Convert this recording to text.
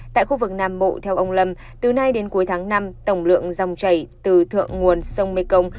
tại khu vực nam bộ theo ông lâm từ nay đến cuối tháng năm tổng lượng dòng chảy từ thượng nguồn sông mê công